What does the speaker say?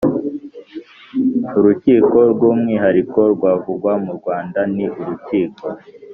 Urukiko rw umwihariko rwavugwa mu Rwanda ni urukiko